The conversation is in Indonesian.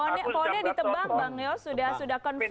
pohonnya ditebang bang yos sudah confirm